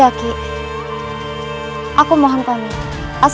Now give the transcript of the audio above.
ajian pusat bun